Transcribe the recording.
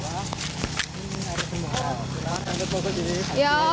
kalau di bawah air semuanya